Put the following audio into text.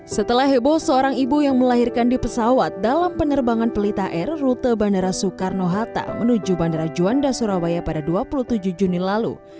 setelah heboh seorang ibu yang melahirkan di pesawat dalam penerbangan pelita air rute bandara soekarno hatta menuju bandara juanda surabaya pada dua puluh tujuh juni lalu